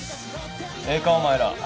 ええかお前ら。